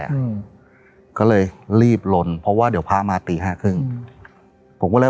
และอืมก็เลยรีบลงเพราะว่าเดี๋ยวมาตีห้าครึ่งอืม